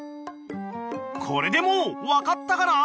［これでもう分かったかな？］